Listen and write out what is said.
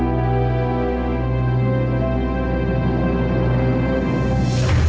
kalau kondisi aida sudah siap